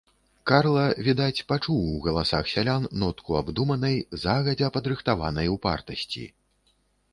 Карла, відаць, пачуў у галасах сялян нотку абдуманай, загадзя падрыхтаванай упартасці.